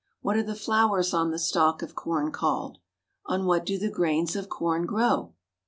What are the flowers on the stalk of corn called? On what do the grains of corn grow?